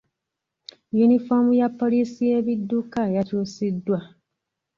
Yunifoomu ya poliisi y'ebidduka yakyusiddwa.